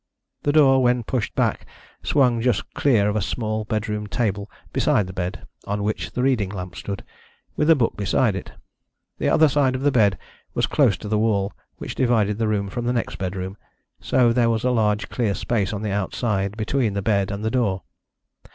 The door when pushed back swung just clear of a small bedroom table beside the bed, on which the reading lamp stood, with a book beside it. The other side of the bed was close to the wall which divided the room from the next bedroom, so that there was a large clear space on the outside, between the bed and the door.